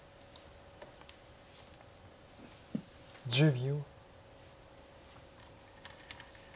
１０秒。